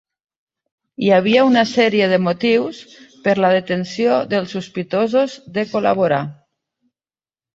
Hi havia una sèrie de motius per a la detenció dels sospitosos de col·laborar.